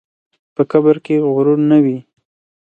په قبر کې غرور نه وي.